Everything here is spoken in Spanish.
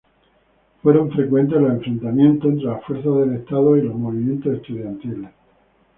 Fueron frecuentes los enfrentamientos entre las fuerzas del Estado y los movimientos estudiantiles.